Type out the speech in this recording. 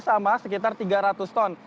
sampai hampir sama sekitar tiga ratus ton